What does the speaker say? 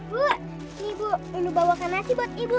bu ini ibu ini lu bawakan nasi buat ibu